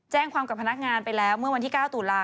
แจ้งความกับพนักงานไปแล้วเมื่อวันที่๙ตุลาค